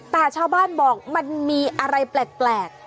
แต่ชาวบ้านบอกมันมีอะไรแปลก